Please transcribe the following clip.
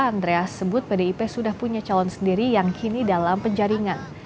andreas sebut pdip sudah punya calon sendiri yang kini dalam penjaringan